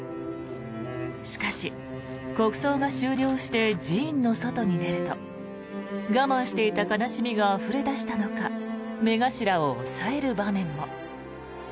しかし、国葬が終了して寺院の外に出ると我慢していた悲しみがあふれ出したのか目頭を押さえる場面も。